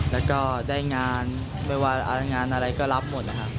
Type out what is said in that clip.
แล้วก็ได้งานไม่ว่างานอะไรก็รับหมดนะครับ